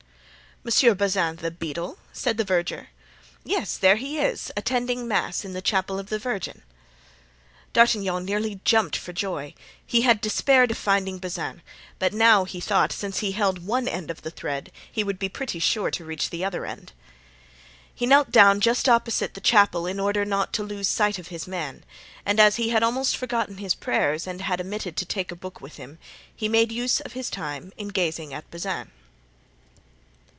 "Monsieur Bazin, the beadle?" said the verger. "Yes. There he is, attending mass, in the chapel of the Virgin." D'Artagnan nearly jumped for joy; he had despaired of finding Bazin, but now, he thought, since he held one end of the thread he would be pretty sure to reach the other end. He knelt down just opposite the chapel in order not to lose sight of his man; and as he had almost forgotten his prayers and had omitted to take a book with him, he made use of his time in gazing at Bazin.